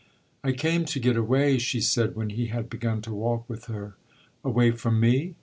"I came out to get away," she said when he had begun to walk with her. "Away from me?"